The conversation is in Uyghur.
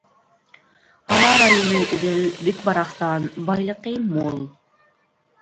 ھاۋا رايى مۆتىدىل، بۈك-باراقسان، بايلىقى مول.